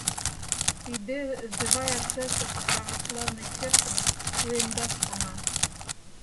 Тиде «живая церковь» православный черкым уэмдаш шона.